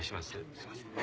すいません。